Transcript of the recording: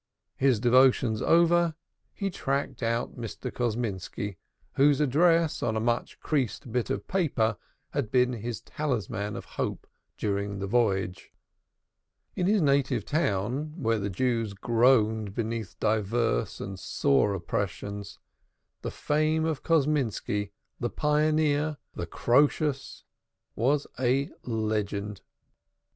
His devotions over, he tracked out Mr. Kosminski, whose address on a much creased bit of paper had been his talisman of hope during the voyage. In his native town, where the Jews groaned beneath divers and sore oppressions, the fame of Kosminski, the pioneer, the Croesus, was a legend. Mr.